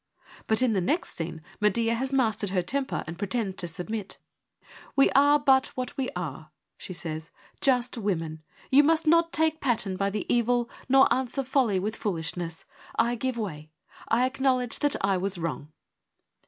But in the next scene Medea has mastered her temper and pretends to submit. ' We are but what we are,' she says, ' just women. You must not take pattern by the evil nor answer folly with foolishness. I give way : I acknowledge that I was wrong.'